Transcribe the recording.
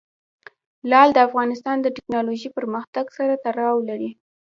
لعل د افغانستان د تکنالوژۍ پرمختګ سره تړاو لري.